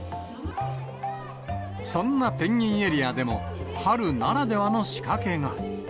そんなペンギンエリアでも、春ならではの仕掛けが。